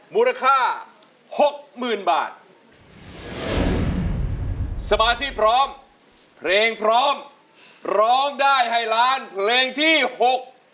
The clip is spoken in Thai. แวะมาเติมหน่อยของขาด